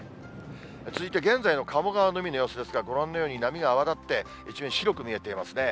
続いて現在の鴨川の海の様子ですが、ご覧のように、波が泡立って、一面白く見えていますね。